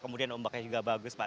kemudian ombaknya juga bagus pak